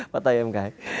bắt tay em cái